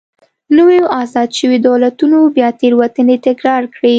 نویو ازاد شویو دولتونو بیا تېروتنې تکرار کړې.